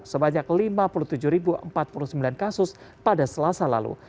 sebanyak lima puluh tujuh empat puluh sembilan kasus pada selasa lalu